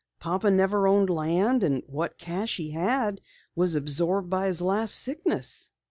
Papa never owned land, and what cash he had was absorbed by his last sickness."